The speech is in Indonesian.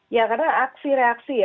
ya karena aksi reaksi ya